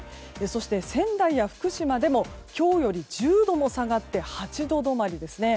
そして仙台や福島でも今日より１０度も下がって８度止まりですね。